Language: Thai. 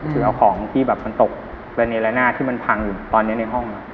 คือเอาของที่แบบมันตกระเนละนาดที่มันพังอยู่ตอนนี้ในห้อง